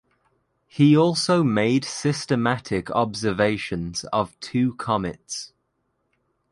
He also made systematic observations of two comets.